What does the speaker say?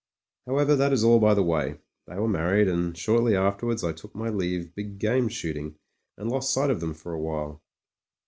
However that is all by the way. They were mar ried, and shortly afterwards I took my leave big game shooting and lost sight of them for a while.